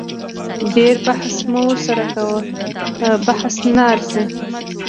ډیر بحث مه ورسره کوه په بحث نه ارزي